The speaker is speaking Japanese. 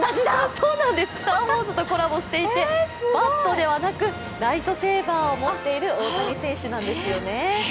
そうなんです、「スター・ウォーズ」とコラボしていてバットではなくライトセーバーを持っている大谷選手なんですよね。